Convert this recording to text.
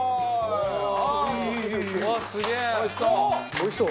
おいしそう！